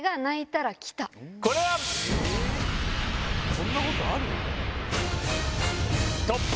そんなことある？